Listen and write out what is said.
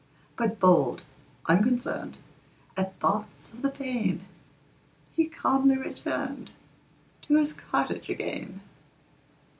But bold, unconcern'd At thoughts of the pain, He calmly return'd To his cottage again.